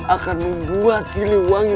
akan membuat sili wangi